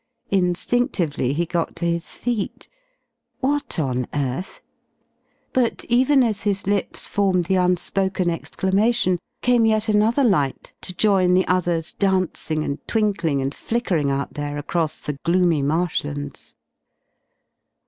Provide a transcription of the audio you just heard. Instinctively he got to his feet. What on earth ? But even as his lips formed the unspoken exclamation came yet another light to join the others dancing and twinkling and flickering out there across the gloomy marshlands.